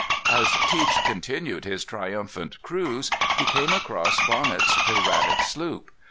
As Teach continued his triumphant cruise, he came across Bonnet's piratic sloop.